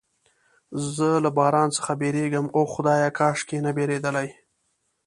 زه له باران څخه بیریږم، اوه خدایه، کاشکې نه بیریدلای.